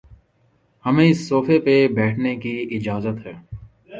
ہمیں اس صوفے پر بیٹھنے کی اجازت ہے